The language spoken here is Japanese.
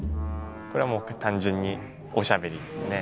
これはもう単純におしゃべりですね。